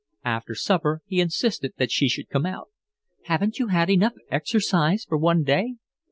After supper he insisted that she should come out. "Haven't you had enough exercise for one day?"